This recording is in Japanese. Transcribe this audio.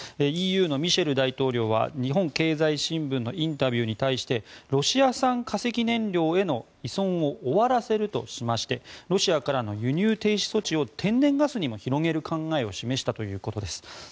ＥＵのミシェル大統領は日本経済新聞のインタビューに対してロシア産化石燃料への依存を終わらせるとしましてロシアからの輸入停止措置を天然ガスにも広げる考えを示したということです。